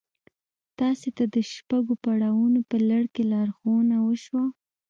تاسې ته د شپږو پړاوونو په لړ کې لارښوونه وشوه.